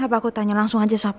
apa aku tanya langsung aja sama papa